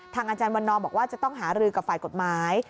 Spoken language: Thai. อาจารย์วันนอบอกว่าจะต้องหารือกับฝ่ายกฎหมาย